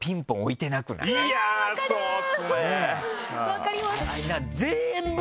分かります！